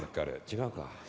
違うか。